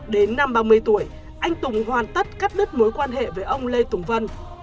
đến năm ba mươi tuổi anh tùng hoàn tất cắt đứt mối quan hệ với ông lê tùng vân